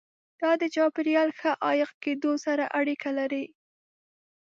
دا د چاپیریال ښه عایق کېدو سره اړیکه لري.